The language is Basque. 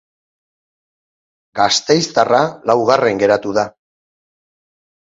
Gasteiztarra laugarren geratu da.